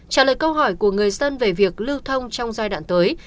trả lời câu hỏi của người dân về việc lưu thông trong giai đoạn tới